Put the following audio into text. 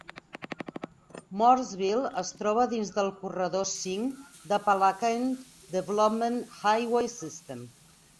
Mooresville es troba dins el Corredor V de l'Appalachian Development Highway System.